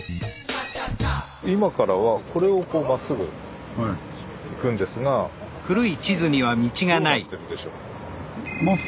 今からはこれをこうまっすぐ行くんですがどうなってるでしょう？